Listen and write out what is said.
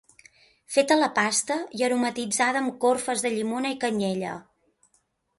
Feta la pasta, i aromatitzada amb corfes de llimona i canyella.